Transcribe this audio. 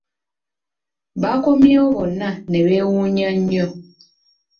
Bakomyewo bonna n’ebeewuunya nnyo.